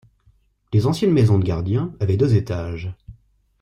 Les anciennes maisons des gardiens avaient deux étages.